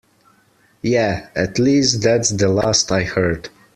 Yeah, at least that's the last I heard.